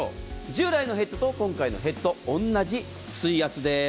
従来のヘッドと今回のヘッド同じ水圧です。